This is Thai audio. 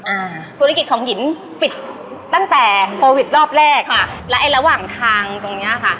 อ่าธุรกิจของหินปิดตั้งแต่โควิดรอบแรกค่ะแล้วไอ้ระหว่างทางตรงเนี้ยค่ะ